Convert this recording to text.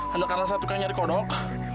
anda karena saya tukang cari kodok